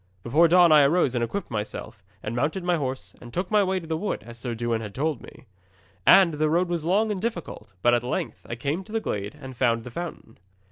'Before dawn I arose and equipped myself, and mounted my horse, and took my way to the wood, as Sir Dewin had told me. And the road was long and difficult; but at length I came to the glade and found the fountain.